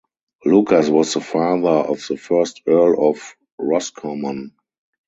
Lucas was the father of the first Earl of Roscommon.